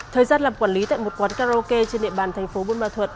thời gian làm quản lý tại một quán karaoke trên địa bàn thành phố buôn ma thuật